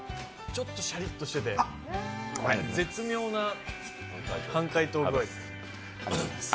ちょっとシャリッとしてて絶妙な半解凍具合です。